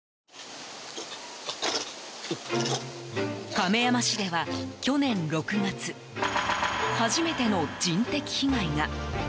亀山市では去年６月初めての人的被害が。